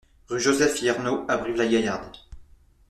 Rue Joseph Yernaux à Brive-la-Gaillarde